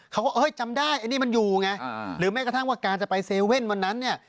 เขาก็เอ้ยจำได้อันนี้มันอยู่ไงหรือแม้กระทั่งว่าการจะไปเซเว่นวันนั้นเนี่ย